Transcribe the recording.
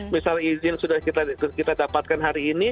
misal izin sudah kita dapatkan hari ini